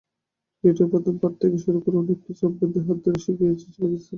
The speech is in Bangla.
ক্রিকেটের প্রথম পাঠ থেকে শুরু করে অনেক কিছুই আফগানদের হাতে ধরে শিখিয়েছে পাকিস্তান।